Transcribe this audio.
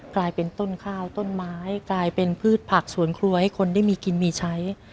กลายเป็นต้นข้าวต้นไม้กลายเป็นพืชผักสวนครัวให้คนได้มีกินมีใช้